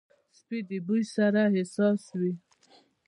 سپي د بوی سره حساس وي.